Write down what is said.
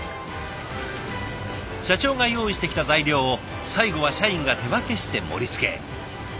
社長が用意してきた材料を最後は社員が手分けして盛りつけ。